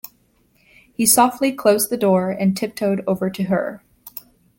He softly closed the door and tiptoed over to her.